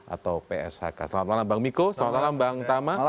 atau pshk selamat malam bang miko selamat malam bang tama